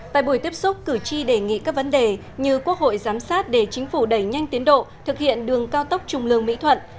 tại buổi tiếp xúc cử tri đề nghị các vấn đề như quốc hội giám sát để chính phủ đẩy nhanh tiến độ thực hiện đường cao tốc trung lương mỹ thuận